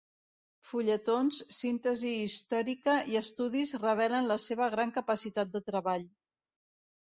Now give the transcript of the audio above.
Fulletons, síntesi històrica i estudis revelen la seva gran capacitat de treball.